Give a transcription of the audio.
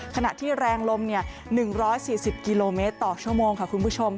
ขณะที่แรงลม๑๔๐กิโลเมตรต่อชั่วโมงค่ะคุณผู้ชม